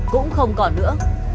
cũng không còn nữa